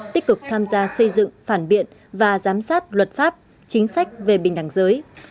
tích cực tham gia xây dựng phản biện và giám sát luật pháp chính sách về bình đẳng giới